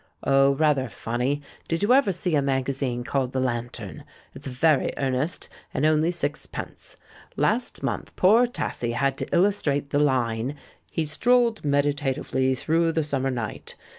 Oh, rather funny ! Did you ever see a magazine called The Lantern? It's very earnest — and only sixpence. Last month poor Tassie had to illustrate the Hne, 'He strolled meditatively through the summer night.'